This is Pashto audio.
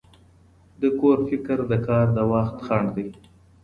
د کور فکر د کار د وخت خنډ دی.